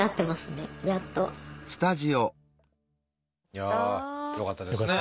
いやあよかったですね。